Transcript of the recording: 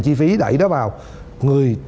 chi phí đẩy đó vào người